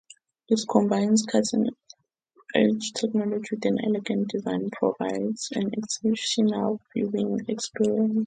It combines cutting-edge technology with an elegant design, providing an exceptional viewing experience.